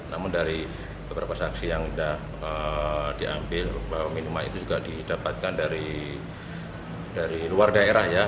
namun dari beberapa saksi yang sudah diambil bahwa minuman itu juga didapatkan dari luar daerah ya